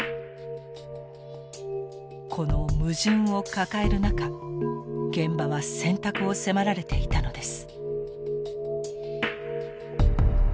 この矛盾を抱える中現場は選択を迫られていたのです。